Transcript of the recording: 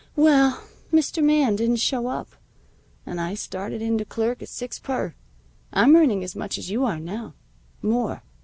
Well, Mr. Man didn't show up, and I started in to clerk at six per. I'm earning as much as you are now. More.